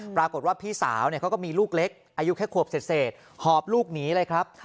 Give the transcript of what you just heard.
ปรากฏว่าพี่สาวเขาก็มีลูกเล็กอายุแค่ขวบเศษหอบลูกหนีเลยครับ